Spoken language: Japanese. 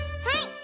はい！